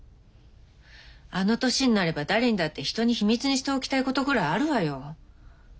あの年になれば誰にだって人に秘密にしておきたいことぐらいあるわよ。